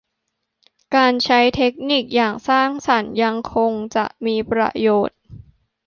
การใช้เทคนิคอย่างสร้างสรรค์ยังคงจะมีประโยชน์